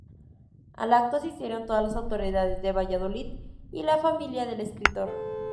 Al acto asistieron todas las autoridades de Valladolid y la familia del escritor.